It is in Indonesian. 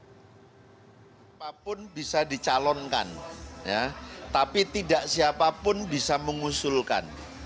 siapapun bisa dicalonkan tapi tidak siapapun bisa mengusulkan